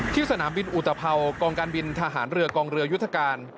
สนามบินอุตภัวกองการบินทหารเรือกองเรือยุทธการ